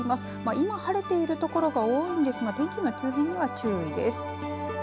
今晴れているところが多いんですが天気の急変には注意です。